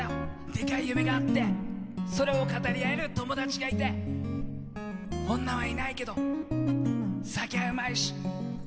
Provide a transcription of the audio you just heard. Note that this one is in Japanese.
でかい夢があってそれを語り合える友達がいて女はいないけど、酒はうまいし。